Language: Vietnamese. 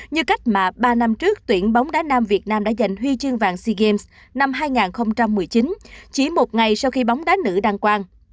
như cách mà ba năm trước tuyển bóng đá nam việt nam đã giành huy chương vàng sea games năm hai nghìn một mươi chín chỉ một ngày sau khi bóng đá nữ đăng quang